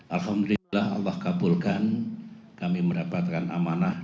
alhamdulillah allah kabulkan kami mendapatkan amanah